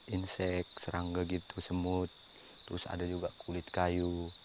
insek serangga gitu semut terus ada juga kulit kayu